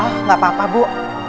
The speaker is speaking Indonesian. ah gak papa bu